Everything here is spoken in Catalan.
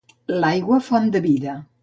L'aigua font de vida